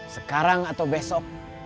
sekarang atau besok